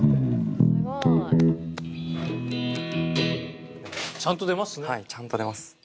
すごい。ちゃんと出ますね。